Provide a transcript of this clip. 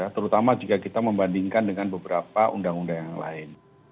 terutama jika kita membandingkan dengan beberapa undang undang yang lain